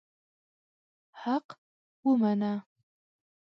حق ومنه.